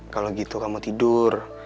kalau gitu kamu tidur